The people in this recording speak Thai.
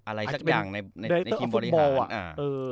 อะไรสักอย่างในทีมบริหารอะ